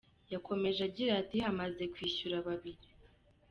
Yakomeje agira ati “Hamaze kwishyura babiri.